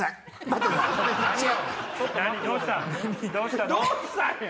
どうした？